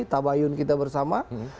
tabayun kita bersama